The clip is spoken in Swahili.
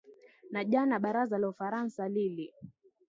na jana baraza la ufaransa lili